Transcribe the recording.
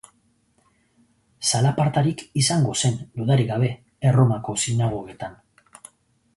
Zalapartarik izango zen, dudarik gabe, Erromako sinagogetan.